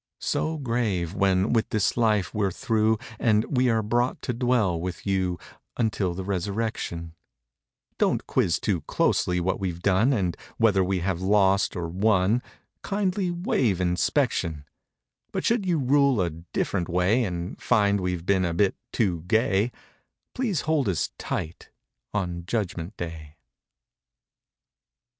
So grave, when with this life we're through And we are brought to dwell with you Until the resurrection; 97 Don't quiz too closely what we've done, And whether we have lost or won— Kindly waive inspection ; But should you rule a dif'rent way And find we've been a bit too gay, Please hold us tight on Judgment Day!